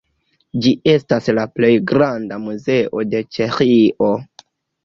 Ĝi estas la plej granda muzeo de Ĉeĥio.